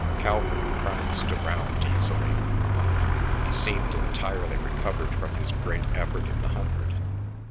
Calvert pranced around easily; he seemed entirely recovered from his great effort in the hundred.